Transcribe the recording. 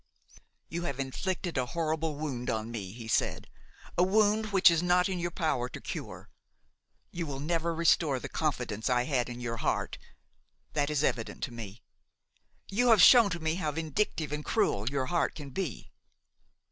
"You have inflicted a horrible wound on me," he said; "a wound which it is not in your power to cure. You will never restore the confidence I had in your heart; that is evident to me. You have shown me how vindictive and cruel your heart can be.